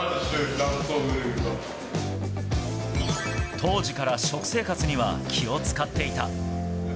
当時から食生活には気を遣っていた。